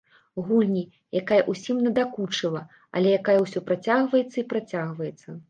Гульні, якая ўсім надакучыла, але якая ўсё працягваецца і працягваецца.